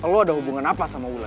lo ada hubungan apa sama wulan